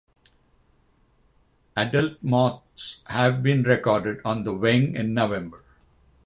Adult moths have been recorded on the wing in November.